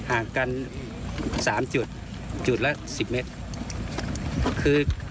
หายกัน๓จุดละ๑๐เมตร